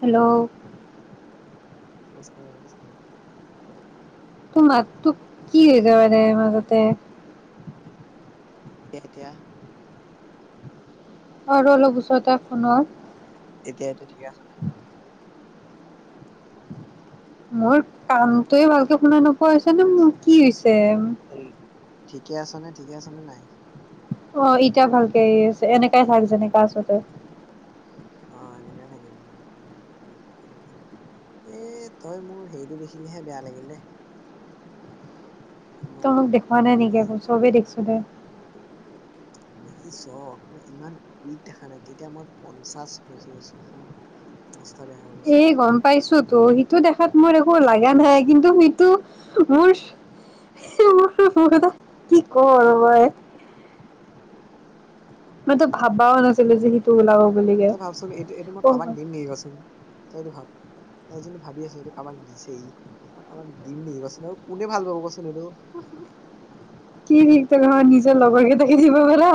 Hello. নমস্কাৰ নমস্কাৰ। তোৰ মাত তোক কি হৈ যায় মানে মাজতে। তেতিয়া। আৰু অলপ ওচৰতে ফোনত। এতিয়া এতিয়া ঠিকে আছে ন? মোৰ কামটোয়ে ভালকে শুনা নপোৱা। ঠিকে পইচাটো আছে। মোৰ কি হৈছে? হেল- ঠিকে আছ নে ঠিকে আছ নে নাই? অ এতিয়া ভালকে আছে এনেকাই থাক যেনেকা আচ তই। অ এনেকে থাকিম এ তই মোৰ হেৰিটো দেখিলিহে বেয়া লাগিল দেই। তই মোক দেখুৱা নাই নেকি আকৌ চবেই দেখিছো দে। দেখিছ ইমান উইক দেখা নাই তেতিয়া মই পঞ্চাশ কেজি হৈছিলো মোৰ অৱস্থা। বেয়া হৈ এ গৈছিলে। গম পাইছো তো। টো দেখাত মোৰ একো লগা নাই কিন্তু সিটো মোৰ মোৰ কি কও আৰু মই। মই তো ভাবাও নাছিলো যে সিটো ওলাব বুলি কে অ। তইটো ভাব তই যোনটো ভাবি আছ এইটো কাৰোবাক দিছেই মই কাৰোবাক দিম নেকি কচোন আৰু কোনে ভাল পাব কচোন এইটো। কি সি ক, নিজৰ লগৰ কেতাকে দিব পাৰা।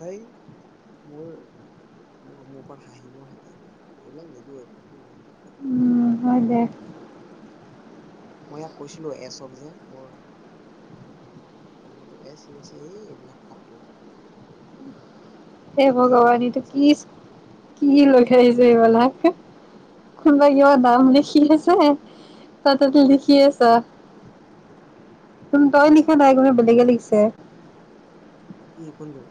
সেই মোৰ মোৰ ওপৰত হাঁহিবৰ হতে এইবিলাক নিদিওঁ এইবিলাক নিজৰ কাম না। মইজে মই ইয়াক কৈছিলো এচক যে মোৰ বন্ধুটো এচ সিছে এই এইবিলাক ফাল্টু। হে এনেই এইবিলাক ভগৱান এইটো কিছ চাবাচোন কি লগাই আহিছে এইবিলাক কোনোবা কিবা নাম লিখি আছে তাতে লিখি আছা। তুম তই মানে লিখা নাই বেলেগে লিখাছে। ছে কি কোনটো?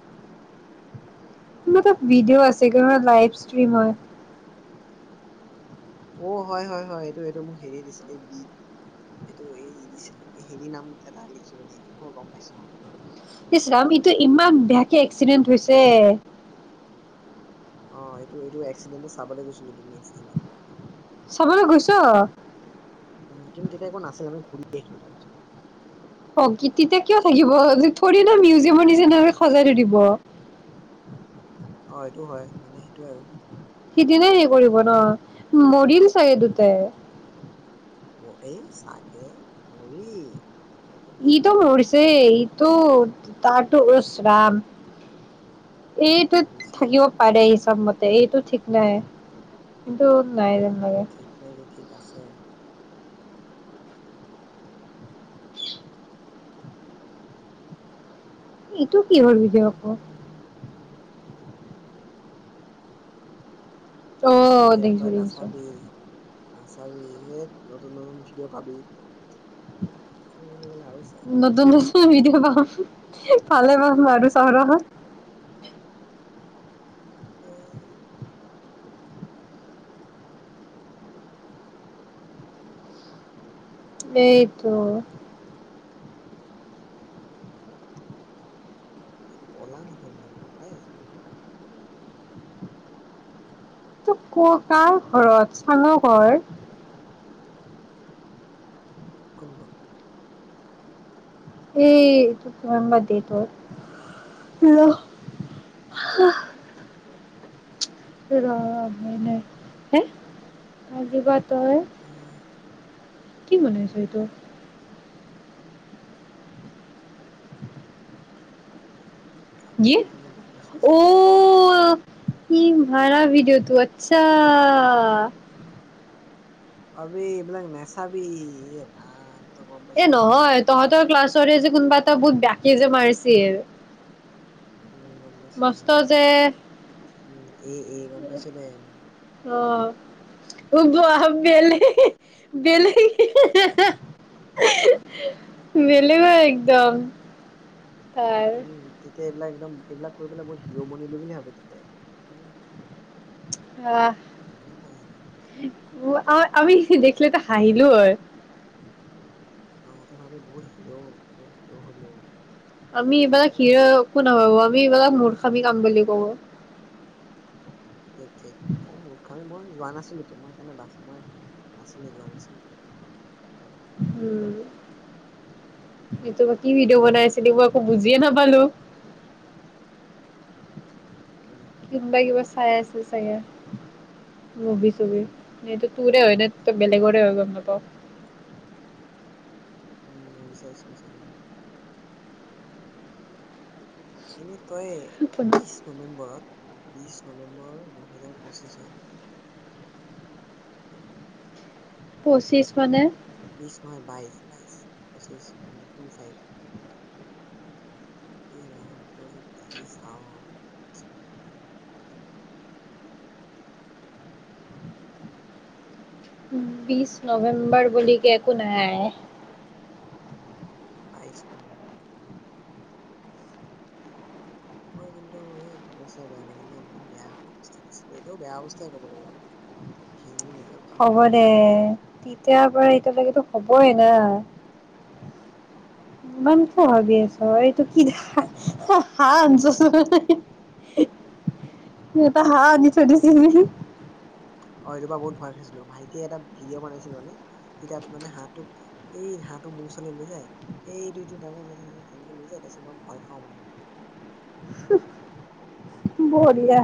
মোৰ তাত ভিডিঅ' আছে ক লাইভ ষ্ট্ৰীম হয়। অ হয় হয় হয় এইটো এইটো মোক হেৰি দিছিলে এই বি এইটো এই দিছিল এই হেৰি নাম এটা লিখিব দেই মই গম পাইছো অ। ইচ্ ৰাম ইটো ইমান বদমাছ বেয়াকে এক্সিডেন্ট হৈছে। অ এইটো এইটো এক্সিডেণ্টটো চাবলৈ গৈছিলো তুমি এক্ দিনা। চাবলৈ গৈছ? উ কিন্তু এতিয়া একো নাছিল আমি ঘূৰি আহিলো তাৰপিছত। প্ৰকৃতিতে কিয় থাকিব ঠৰিনা মিউজিয়ামৰ নিচিনা সজাই থৈ দিব। অ সেইটো হয় মানে সেইটোৱে আৰু। সিদিনাই হেৰি কৰিব ন মৰিল চাগে দুটাই। এই চাগে, মৰিল। সিটো মৰি যে এইটো তটো ইছৰাম। এইটো কৰিছে থাকিব এতিয়া পাৰে সচব মতে এইটো ঠিক। নাই এটো নাই উম [unintelligible] ঠিক নে কি ঠিক আছে। [unintelligible] [inaudible] ভিডিঅ' উ আকৌ উম। আহ এইয়া দেখিছো তই দেখিছো। নাচাবি নাচাবি নতুন নতুন ভিডিঅ' পাবি। বুলি ক'লে আৰু চাই নতুন বছ ভিডিঅ পাম ভালে পাম আৰু চাও নহয়। উম এইটো। ইমান কলা নহয় মই বগাই আছো অ। ত ক কাৰ ঘৰত চানৰ ঘৰ। কোনটো? এই [unintelligible] তই উম কি বনাইছ এইটোৰ? কাপোৰ কাৰণে বনাইছো [unintelligible] চাগে অও, সি [unintelligible] ভিডিঅ'তো আচ্ছা। আবে এইবিলাক নেচাবি এ নহয় তহঁতৰ ক্লাছৰে যে কোনোবা এটা বহুত বেয়া কিজে মাৰিছিল উম। গম পাইছো মস্ত উম, যে উম, এ এ গম পাইছো দে উ বোৱা বেলে-বেলে, বেলেগে একদম। তাৰ উম তেতিয়া এইবিলাক একদম এইবিলাক কৈ পেলাই বহুত হিৰ' বনিলো বুলি ভাবে তেতিয়া, উম। কোনে পায় সিহঁতক অ অ' আমি দেখিলে ত হাঁহিলো হয় অ' ইহঁতে ভাবে, বহুত হিৰ', বহুত হিৰ' হলো। আমি এইবাৰ কৰে ক্ষীৰ একো [unintelligible] তুমি এইবিলাক মূৰ্খামি কাম বুলি ক'ব। ঠিক, মোৰ [unintelligible] যোৱা নাছিলো তোমাৰ কাৰণে বাছ মই, নাছিলো যোৱা নাছিলো তেতিয়া? উম, এটো বা কি ভিডিঅ' বনাইছিলি মই একো বুজিয়ে নাপালো! তেতিয়া কিবা-কিবা চাই আছ [unintelligible] মুভি-চুভি, এইটো তোৰে হয় নে? ত বেলেগৰে হয় গম নাপাও। উম। বিচাৰিছিল চাগে এনে তই বিশ নৱেম্বৰত। বিশ নৱেম্বৰ, দুহেজাৰ পঁচিশত পঁচিশ মানে? বিশ নহয় বাইশ-বাইশ, পঁচিশ টু ফাইভ। এই ৰাম তই যে কি চাওঁ। বিশ নৱেম্বৰ বুলি কে একো নাই। বাইশ নৱেম্বৰ। মই কিন্তু এই ভিডিঅ' চাই বেয়া লাগিলে, ইমান বেয়া অৱস্থাত আছিলে। এতিয়াও বেয়া অৱস্থাই কবলৈ গ'লে। ক্ষীণ-মীন হ'ব দে। তেতিয়াৰ পৰা এতিয়ালৈকেতো হ'বই না! ইমান কিয় ভাবি আছ? এইটো কি হাঁহ আনিছোন, এটা হাঁহ আনি থৈ দিছি। এইবাৰ বহুত ভয় খাইছিলো, ভাইটিয়ে এটা ভিডিঅ' বনাইছিল মানে। সি তাত মানে হাঁহটোক, এই হাঁহটো মোৰ ওচৰলৈ লৈ যায়। এই [unintelligible] তেনেকে লৈ যায় তাৰপিছত মই ভয় খাও মানে। বঢ়িয়া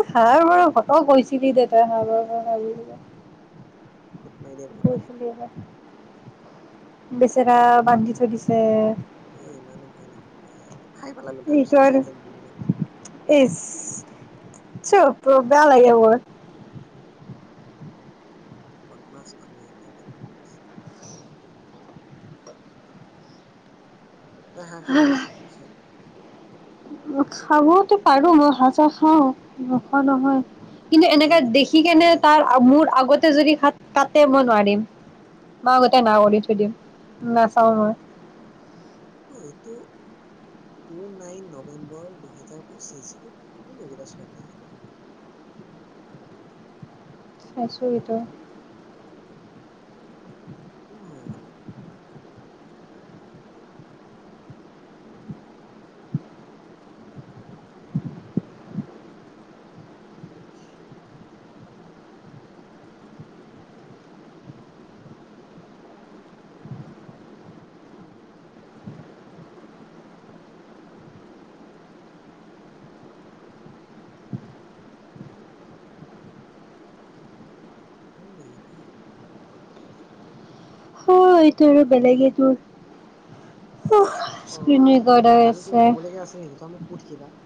ত হাঁহবাৰ ঘটক কৈছিলি, [unintelligible] খুঁত মাৰি দিয়ে বুলি ভয় লাগে। কৈছিলি এবাৰ। বেচেৰা বান্ধি থৈ দিছে। এ ইমানো ভয় নাখাওঁ, এই এইটো আৰু এচ [unintelligible] প [unintelligible] লাগব। পাটনা স্থানি এতেতে [unintelligible] আ, হাঁহ খাবিলে পিছত। খাবওতো পাৰো, মই ভাজা খাওঁ ৰসৰ নহয়। ঐ কিন্তু এনেকে এইকেইটা কোন দেখি কেনে ছোৱালী আকৌ তাৰ মোৰ আগতে যদিত কা তে মই নোৱাৰিম মই আগতে না কৰি থৈ দিম নাচাওঁ। মই, অ' এইটো টু নাইন নৱেম্বৰ দুহেজাৰ পঁচিশ কোন এইকেইটা ছোৱালী। আৰে, চাইচো এটা। কোন হয় এইকেইটা। কোন এই কেইটা। ঔ এইটো আৰু বেলেগে তোৰ। অ' স্ক্ৰীন ৰেকৰ্ডাৰ আৰু কিবা আছে কবলগীয়া আছে নেকি? তই মোক সুধ কিবা।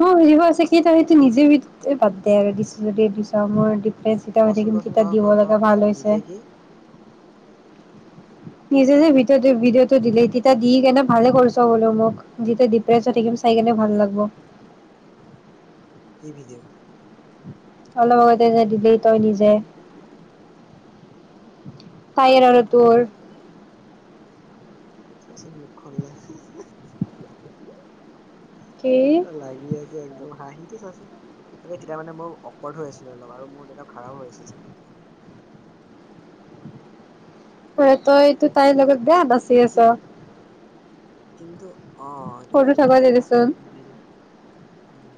অ' সুধিব আছে সেই কেইটা সেইটো নিজে বাদ দে আৰু দিছো যদি দিছ মই। যেতিয়া কচোন শুধিম কচোন ক ক দিব ক লগা ভাল কি হৈছে। নিজে কি নিজে যে ভি ভিডিঅ'টো দিলে তেতিয়া দি কেনে ভালে কৰিছ বোলো মোক যেতিয়া ডিপ্ৰেছত থাকিম চাই কেনে ভাল লাগব। কি ভিডিঅ' অলপ আগতে যে দিলেই তই নিজে কাৰ তাইৰ আৰু লগত থাকা তোৰ ভিদিঅ টো চা চুন মুখ খনলে কি কেনুৱা লাগি আছে একদম হাঁহি টো চাচোন ত তেতিয়া মানে মই অকৱাৰ্ড হৈ আছিলো অলপ আৰু মোৰ তেতিয়া খাৰাৱ হৈ আছিল চাগে মথাটো ঐ তই তই তাইৰ কিন্তু লগত বেয়া নচি আছ কিন- কিন্তু অ এইটো সৰু এইটো তাই থাকোতে ভাল দেচোন বুজিল উম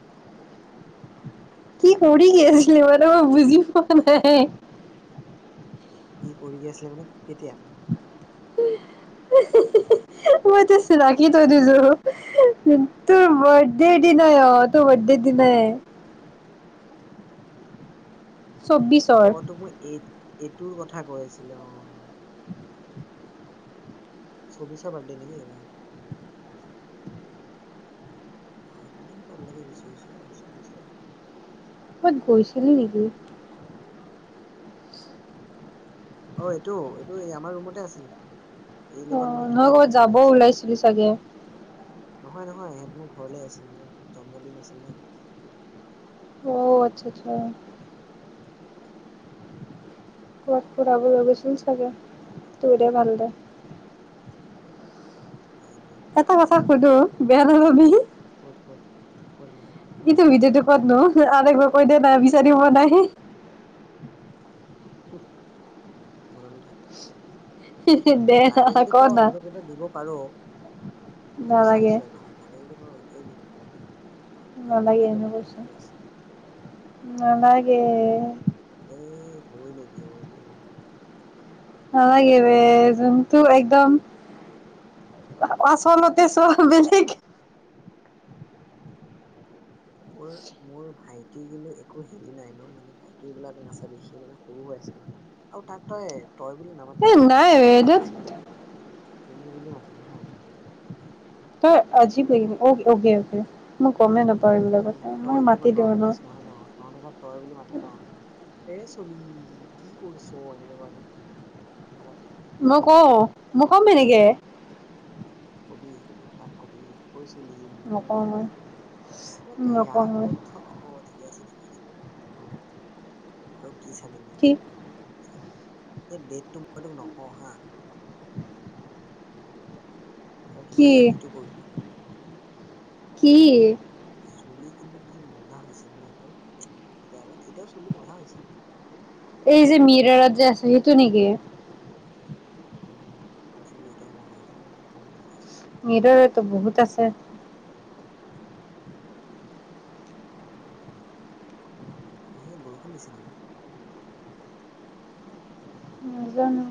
কি কৰি গৈছিলে মানে মই বুজি পোৱা নাই। কি কৰি আছিলি মানে কেতিয়া? মই তো ৰাখি থৈ দিছোঁ তোৰ বাৰ্থ ডে দিনই অ তোৰ বাৰ্থ ডে দিন চৌব্বিছ অ ৰ তোক মই এই এইটোৰ কথা কৈ আছিলে অ চৌব্বিছৰ বাৰ্ডে নেকি এইবাৰ? অ ই পাৰালকে বিছছ [unintelligible] কবাত গৈছিলি নেকি? অ এইটো এইটো এই আমাৰ ৰুমতে আছিল। এই অ লগত মই কিবা নহয় ক'বত কিবি কৰি যাব আছিলো ওলাইছিলো চাগে নহয় নহয় সিহঁত মোৰ ঘৰলৈ আহিছিল মোৰ জন্মদিন আছিল ন অ আচ্ছা আচ্ছা ক'বাত ফুৰাব লৈ গৈছিল চাগে, তোৰে ভাল দে নাই নাই এটা কথা সোধো বেয়া নাপাবি? ক'ত [unintelligible] ইটো ভিডিঅটো ক'তনো? আৰ একবাৰ কৈ দে না বিচাৰি পোৱা নাই। চুপ, মনে মনে থাক। দে লাগে যদি ক মইতো তোক সেইটো দিব পাৰো। নালাগে চাইছোৱেই ন লাগে যদি ক এতিয়াই দিম আৰু। এতিয়া নালাগে বনাই এনে লবি তই কৈছো, কি আছে। নালাগে। গে এ লৈ লবি অ' একো নহয়। নালাগে বে, তোৰ একদম পাছলৈকে চোৱা বেলেগে। মোৰ-মোৰ ভাইটিৰ কিন্তু একো হেৰি নাই ন, মানে ভাইটিৰবিলাক নাচাবি সি মানে সৰু হৈ আছে ন, আৰু তাত তই তই বুলি এ নামাতিবি হা, নাই তাৰ বে অলপ ধেৎ আজিৱ লাগে। তুমি বুলি মাতিবি হা আজিৱ নিকি অকে অকে, মই গমে নাপাওঁ। এইবিলাক মানে কথা মই তইতো মাতি ইমান দিওঁ নৰ্মেলাইজ নহয় ন, নহ'লে তই বুলি মাতে ন। এ চলি, কি কৰিছ এনেকে কয় নহ? মই কওঁ? মই ক'ম হেনেকে কবি, তাক কবি। ঐ তুলি মাৰ লাগে নকওঁ মই নে? অ' ত নকওঁ মই ইয়াৰ [unintelligible] ঠিকে আছে আৰু কি চাবিনো? কি সেই ডেটটো মই তোক নকওঁ হা! আৰু কি তোমাৰ দিল্লীতো কৰিলো। কি? চুলি কিন্তু কি মজা হৈছিল ন এতিয়াও? এতিয়া আগত এতিয়াও চুলি মজা হৈছে। এই যে মিৰাৰত যে আছে, সেইটো নেকি? উম [unintelligible] নিদৰেতো বহুত আছে বাহিৰত বৰষুণ দিছে নেকি? নাজানো।